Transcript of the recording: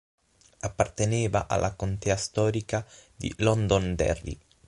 Apparteneva alla contea storica di Londonderry.